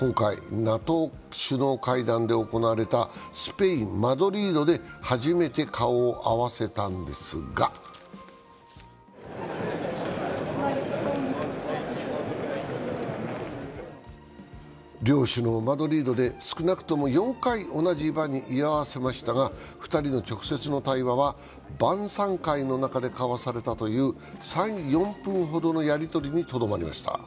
今回、ＮＡＴＯ首脳会談で行われたスペイン・マドリードで初めて顔を合わせたんですが両首脳、マドリードで少なくとも４回同じ場に居合わせましたが、２人の直接の対話は晩さん会の中で交わされたという３４分ほどのやり取りにとどまりました。